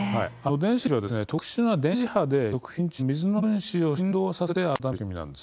電子レンジは特殊な電磁波で食品中の水の分子を振動させて温める仕組みなんです。